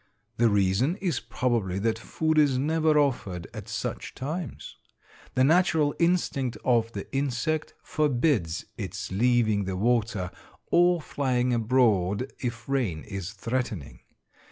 The reason is probably that food is never offered at such times. The natural instinct of the insect forbids its leaving the water or flying abroad if rain is threatening.